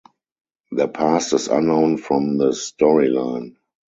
Their past is unknown from the storyline.